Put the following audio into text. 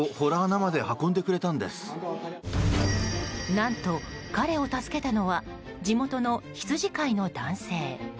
何と彼を助けたのは地元の羊飼いの男性。